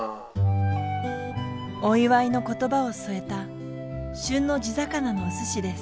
お祝いの言葉を添えた旬の地魚のおすしです。